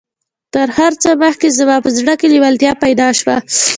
تر هر څه مخکې زما په زړه کې لېوالتيا پيدا شوه.